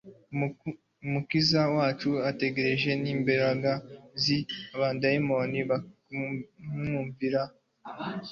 Umukiza wacu ategeka n'imbaraga z'abadayimoni bakamwumvira,